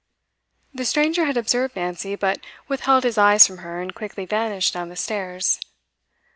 The stranger had observed Nancy, but withheld his eyes from her, and quickly vanished down the stairs.